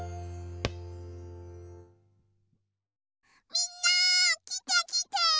みんなきてきて！